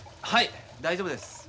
はい大丈夫です。